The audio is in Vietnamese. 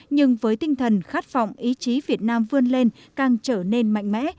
nhưng với tinh thần khát phọng ý chí việt nam vươn lên càng trở nên mạnh mẽ